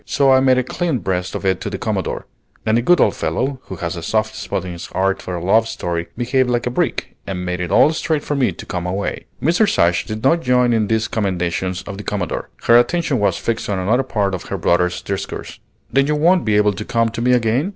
So I made a clean breast of it to the Commodore; and the good old fellow, who has a soft spot in his heart for a love story, behaved like a brick, and made it all straight for me to come away." Mrs. Ashe did not join in these commendations of the Commodore; her attention was fixed on another part of her brother's discourse. "Then you won't be able to come to me again?